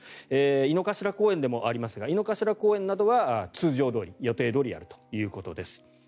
井の頭公園でもありますが井の頭公園などでは通常どおり、予定どおりやるということです。